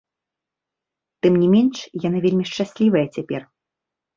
Тым не менш, яна вельмі шчаслівая цяпер.